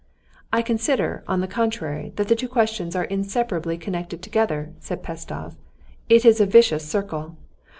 "I consider, on the contrary, that the two questions are inseparably connected together," said Pestsov; "it is a vicious circle.